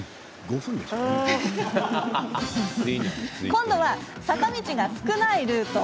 今度は、坂道が少ないルート。